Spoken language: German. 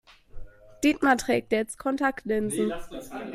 Dietmar trägt jetzt Kontaktlinsen.